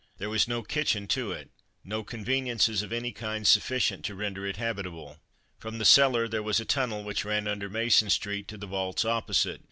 There was no kitchen to it, no conveniences of any kind sufficient to render it habitable. From the cellar there was a tunnel which ran under Mason street to the vaults opposite.